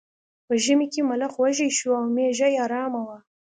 په ژمي کې ملخ وږی شو او میږی ارامه وه.